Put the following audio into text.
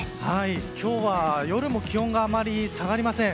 今日は夜も気温があまり下がりません。